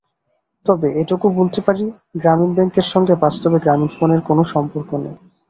তবে এটুকু বলতে পারি, গ্রামীণ ব্যাংকের সঙ্গে বাস্তবে গ্রামীণফোনের কোনো সম্পর্ক নেই।